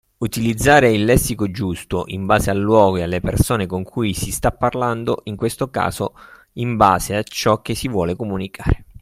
Utilizzare il lessico giusto, in base al luogo e alle persone con cui si sta parlando, in questo caso in base a ciò che si vuole comunicare.